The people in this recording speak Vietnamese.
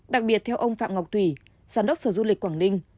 đặc biệt theo ông phạm ngọc thủy giám đốc sở du lịch quảng ninh